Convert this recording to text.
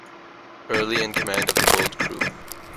Early in command of the Gold Crew.